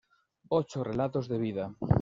Ocho relatos de vida.